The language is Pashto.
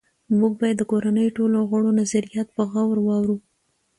موږ باید د کورنۍ ټولو غړو نظریات په غور واورو